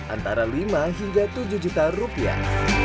antara lima hingga tujuh juta rupiah